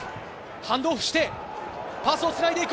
ハンドオフしてパスをつないでいく。